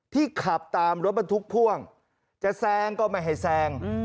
ที่ขับตามรถบันทุกขุ้งจะแซงก็ไม่ให้แซง